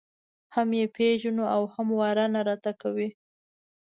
هم یې پېژنو او هم واره نه راته کوي.